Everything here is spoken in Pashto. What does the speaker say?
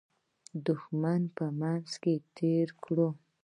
دښمن په منځ کې تېر کړو.